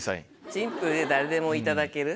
シンプルで誰でもいただける。